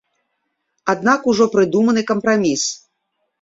Аднак ужо прыдуманы кампраміс.